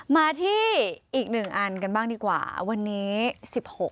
มาที่อีกหนึ่งอันกันบ้างดีกว่าวันนี้สิบหก